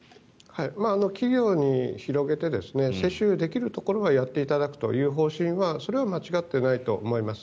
企業に広げて接種できるところはやっていただくという方針はそれは間違ってないと思います。